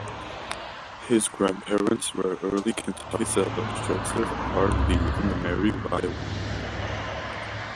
His great-grandparents were early Kentucky settlers, Joseph R. Lee and Mary Wiley.